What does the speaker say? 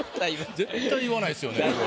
絶対言わないっすよね。